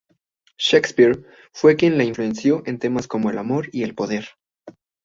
Shakespeare, fue quien la influenció en temas como el amor y el poder.